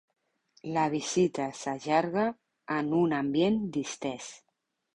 La visita s'allarga en un ambient distès.